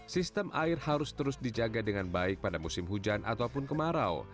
sistem air harus terus dijaga dengan baik pada musim hujan ataupun kemarau